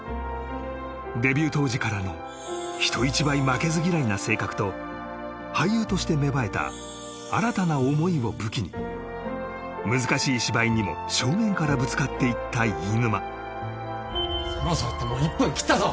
デビュー当時からの人一倍負けず嫌いな性格と俳優として芽生えた新たな思いを武器に難しい芝居にも正面からぶつかっていった飯沼そろそろってもう１分切ったぞ！